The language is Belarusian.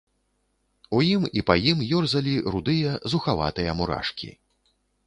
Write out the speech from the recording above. У ім і па ім ёрзалі рудыя, зухаватыя мурашкі.